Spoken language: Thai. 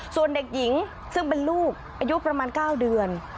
ส่วนเด็กหญิงซึ่งเป็นลูกอายุประมาณ๙เดือน